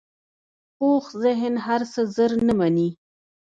پوخ ذهن هر څه ژر نه منې